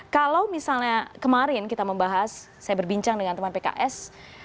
kalau misalnya kemarin kita membahas saya berbincang dengan teman pks